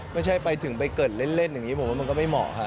ไปถึงไปเกิดเล่นอย่างนี้ผมว่ามันก็ไม่เหมาะค่ะ